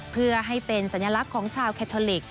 เพื่อให้เป็นสัญลักษณ์ของชาวแคทอลิก